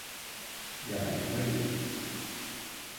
Yani hayır.